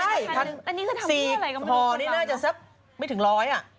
๔ฮนี่น่าจะซับไม่ถึงร้อยอ่ะ